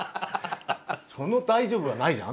「その大丈夫はないじゃん」。